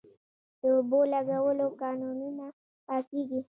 د اوبو لګولو کانالونه پاکیږي